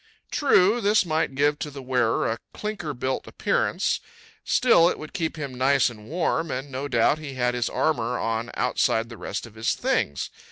True, this might give to the wearer a clinker built appearance; still it would keep him nice and warm, and no doubt he had his armor on outside the rest of his things.